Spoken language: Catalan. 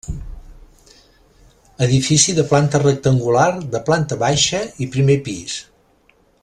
Edifici de planta rectangular, de planta baixa i primer pis.